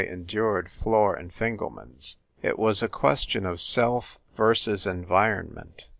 j endured Flor and Fingelman's. It was a ' question of self versus environment.